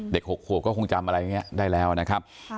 ๖ขวบก็คงจำอะไรอย่างนี้ได้แล้วนะครับ